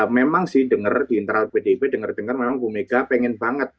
memang sih denger di internal pdip denger denger memang bu mega pengen banget